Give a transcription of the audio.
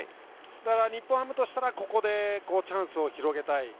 日本ハムとしたら、ここでチャンスを広げたい。